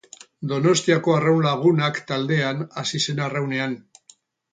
Donostiako Arraun Lagunak taldean hasi zen arraunean.